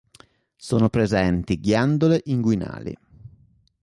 Sono presenti ghiandole inguinali.